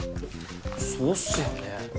そうっすよね。